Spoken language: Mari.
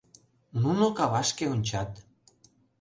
Нуно кавашке ончат.